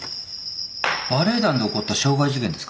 バレエ団で起こった傷害事件ですか。